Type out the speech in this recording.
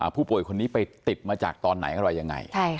ผู้ป่วยคนนี้ไปติดมาจากตอนไหนอะไรยังไง